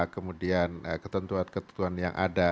kemudian ketentuan ketentuan yang ada